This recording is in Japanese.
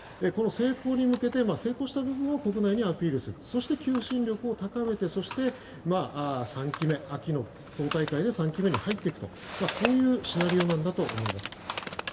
この成功に向けて成功した部分を国内にアピールして求心力を高めて秋の党大会で３期目に入っていくというシナリオなんだと思います。